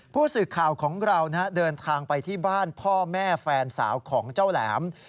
ผู้สื่อข่าวของเราเดินทางไปที่บ้านพ่อแม่แฟนสาวของเจ้าแหลม